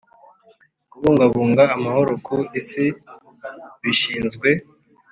Kubungabunga amahoro ku isi bishinzwe